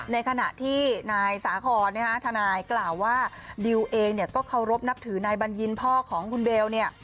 ในขณะที่นายสาคอนทนายกล่าวว่าดิวเองเนี่ยก็เคารพนับถือนายบัญญินพ่อของคุณเบลเนี่ย